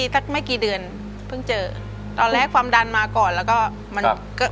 สักไม่กี่เดือนเพิ่งเจอตอนแรกความดันมาก่อนแล้วก็มันก็